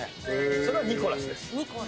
それはニコラスです。